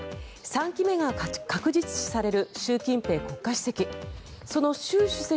３期目が確実視される習近平国家主席。